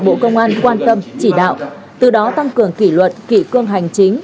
bộ công an quan tâm chỉ đạo từ đó tăng cường kỷ luật kỷ cương hành chính